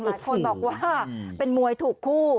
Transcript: หลายคนบอกว่าเป็นมวยถูกคู่